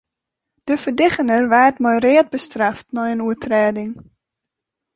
De ferdigener waard mei read bestraft nei in oertrêding.